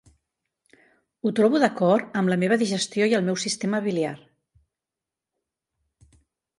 Ho trobo d'acord amb la meva digestió i el meu sistema biliar.